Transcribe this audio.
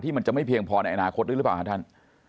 มันจะไม่เพียงพอในอนาคตด้วยหรือเปล่าครับท่าน